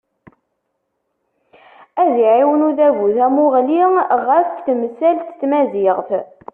Ad iɛiwed udabu tamuɣli ɣef temsalt n tmaziɣt.